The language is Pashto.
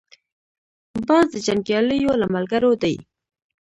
باز د جنګیالیو له ملګرو دی